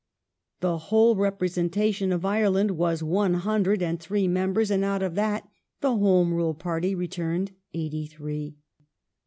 The whole representation of Ireland was one hundred and three members, and out of that the Home Rule party returned eighty three.